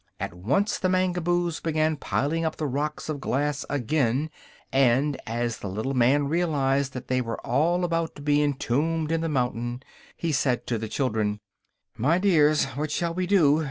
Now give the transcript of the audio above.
At once the Mangaboos began piling up the rocks of glass again, and as the little man realized that they were all about to be entombed in the mountain he said to the children: "My dears, what shall we do?